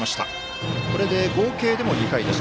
これで合計でも２回です。